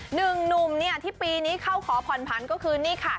หนุ่มเนี่ยที่ปีนี้เข้าขอผ่อนผันก็คือนี่ค่ะ